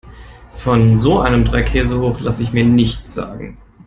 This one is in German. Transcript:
Von so einem Dreikäsehoch lasse ich mir nichts sagen.